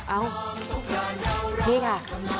เอ้านี่ค่ะ